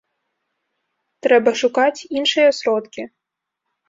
Трэба шукаць іншыя сродкі.